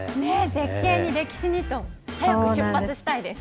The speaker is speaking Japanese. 絶景に歴史にと、早く出発したいです。